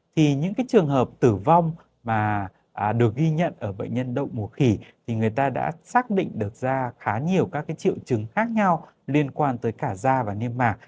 thì những trường hợp tử vong mà được ghi nhận ở bệnh nhân đậu mùa khỉ thì người ta đã xác định được ra khá nhiều các cái triệu chứng khác nhau liên quan tới cả da và niêm mạc